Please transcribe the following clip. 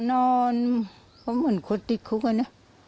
นอนเหมือนคนติดคุกอ่ะเนี่ย